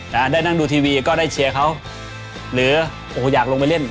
ได้นั่งดูทีวีก็ได้เชียร์เขาหรือโอ้โหอยากลงไปเล่น